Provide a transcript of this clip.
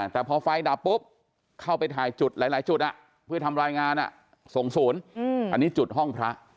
แต่พอไฟดับปุ๊บเข้าไปถ่ายจุดหลายจุดเพื่อทำรายงานส่งศูนย์อันนี้จุดห้องพระ